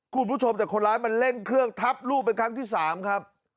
คุณผู้ชมแต่คนร้ายมันเร่งเครื่องทับลูกเป็นครั้งที่๓ครับ